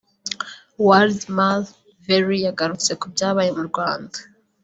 Waldmar Very yagarutse ku byabaye mu Rwanda